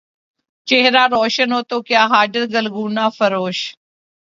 چہرہ روشن ہو تو کیا حاجت گلگونہ فروش